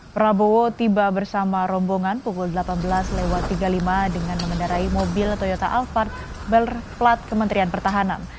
prabowo tiba bersama rombongan pukul delapan belas tiga puluh lima dengan mengendarai mobil toyota alphard berplat kementerian pertahanan